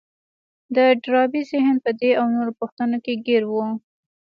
د ډاربي ذهن په دې او نورو پوښتنو کې ګير و.